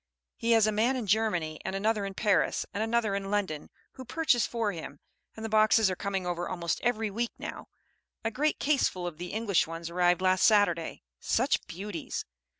He has a man in Germany and another in Paris and another in London, who purchase for him, and the boxes are coming over almost every week now. A great case full of the English ones arrived last Saturday, such beauties!